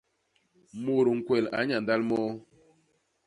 Mut ñkwel a nnyandal moo.